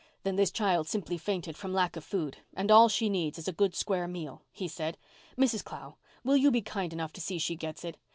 "Then this child simply fainted from lack of food and all she needs is a good square meal," he said. "Mrs. Clow, will you be kind enough to see she gets it?